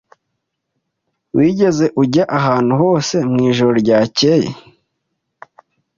Wigeze ujya ahantu hose mwijoro ryakeye?